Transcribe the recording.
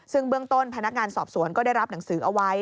ซึ่งเบื้องต้นพนักงานสอบสวนก็ได้รับหนังสือเอาไว้